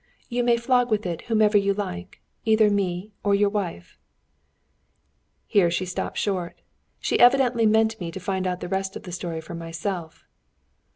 You may flog with it whomever you like, either me or your wife.'" Here she stopped short. She evidently meant me to find out the rest of the story for myself.